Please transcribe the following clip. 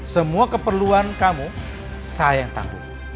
semua keperluan kamu saya yang tangguh